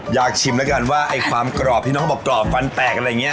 อยากชิมแล้วกันว่าไอ้ความกรอบที่น้องเขาบอกกรอบฟันแตกอะไรอย่างนี้